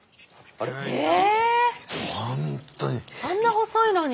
あんな細いのに？